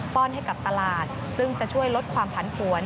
้อนให้กับตลาดซึ่งจะช่วยลดความผันผวน